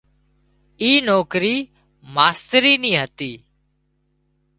اي نوڪرِي ماسترِي نِي هتي